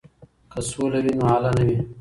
که سوله وي نو هاله نه وي.